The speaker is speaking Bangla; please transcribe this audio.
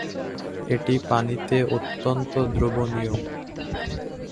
এটি পানিতে অত্যন্ত দ্রবণীয়।